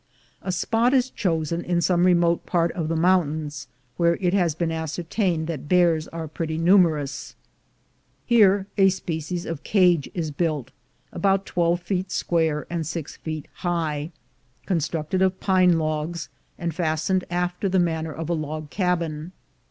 A spot is chosen in some remote part of the moun tains, where it has been ascertained that bears are pretty numerous. Here a species of cage is built, about twelve feet square and six feet high, con structed of pine logs, and fastened after the manner A BULL AND BEAR FIGHT 285 of a log cabin.